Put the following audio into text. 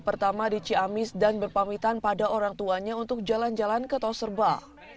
pertama di ciamis dan berpamitan pada orang tuanya untuk jalan jalan ke tol serba